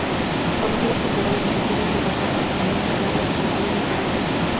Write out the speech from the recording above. Por motivos culturales, se requiere llevar pantalones largos para poder entrar al templo.